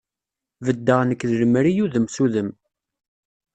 Beddeɣ nekk d lemri udem s udem.